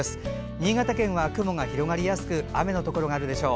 新潟県は雲が広がりやすく雨のところがあるでしょう。